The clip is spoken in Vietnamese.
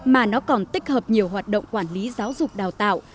mà nó còn tích hợp nhiều hoạt động quản lý giáo dục đào tạo